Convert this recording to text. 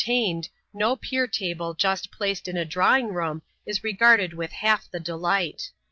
tained, no pier table just placed in a drawing room is regarded with half the delight.